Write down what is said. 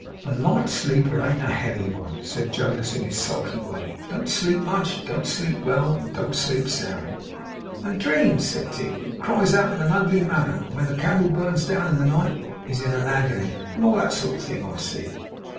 'A light sleeper ain't a heavy one,' said Jonas in his sulky way; 'don't sleep much, and don't sleep well, and don't sleep sound.' 'And dreams,' said Tigg, 'and cries out in an ugly manner; and when the candle burns down in the night, is in an agony; and all that sort of thing. I see!